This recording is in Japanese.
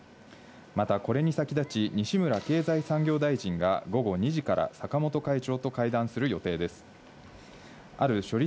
またこれに先立ち、西村経済産業大臣が午後２時から坂本会長と会談する予定です。